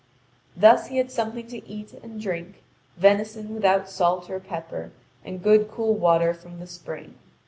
Thus he had something to eat and drink: venison without salt or pepper, and good cool water from the spring.